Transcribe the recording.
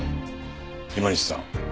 今西さん